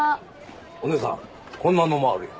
お姉さんこんなのもあるよ。